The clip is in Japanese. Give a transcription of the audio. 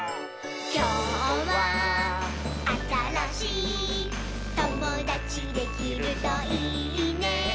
「きょうはあたらしいともだちできるといいね」